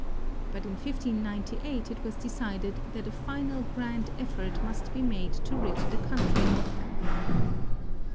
But in 1598 it was decided that a final grand effort must be made to rid the country of them.